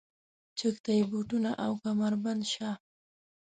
چک ته بې بوټونو او کمربنده شه.